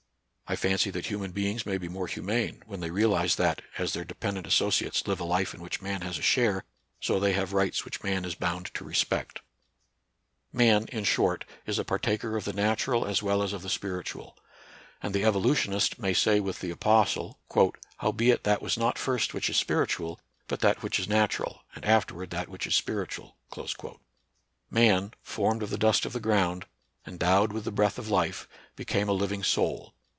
I fancy that human beings may be more humane when they realize that, as their dependent associates live a life in which man has a share, so they have rights which man is bound to respect. NATURAL SCIENCE AND RELIGION. 55 Man, in short, is a partaker of the natural as well as of the spiritual. And the evolutionist may say with the apostle :" Howbeit that was not first which is spiritual, but that which is natural, and afterward that which is spiritual." Man, " formed of the dust of the ground," endowed with "the breath of life," "became a living soul."